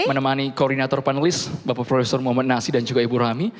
menemani koordinator panelis bapak profesor muhammad nasi dan juga ibu rami